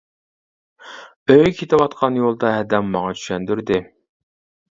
ئۆيگە كېتىۋاتقان يولدا ھەدەم ماڭا چۈشەندۈردى.